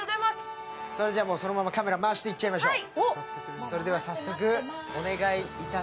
それじゃあ、そのままカメラ回していっちゃいましょう！